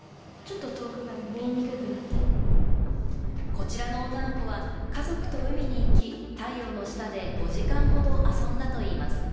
こちらの女の子は家族と海に行き、太陽の下で５時間ほど遊んだといいます。